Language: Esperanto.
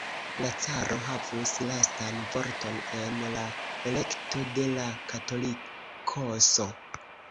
La caro havus lastan vorton en la elekto de la Katolikoso.